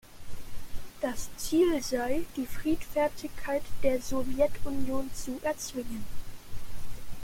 Das Ziel sei, die Friedfertigkeit der Sowjetunion zu erzwingen.